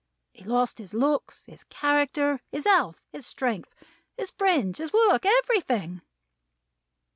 He lost his looks, his character, his health, his strength, his friends, his work: everything!"